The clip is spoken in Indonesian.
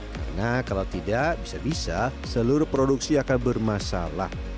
karena kalau tidak bisa bisa seluruh produksi akan bermasalah